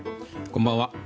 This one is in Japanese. こんばんは。